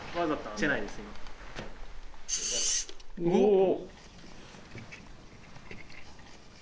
お！